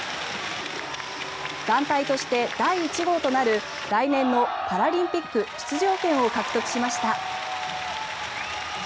団体として第１号となる来年のパラリンピック出場権を獲得しました。